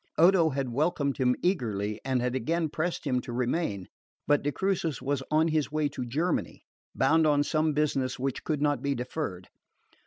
Odo had welcomed him eagerly, had again pressed him to remain; but de Crucis was on his way to Germany, bound on some business which could not be deferred.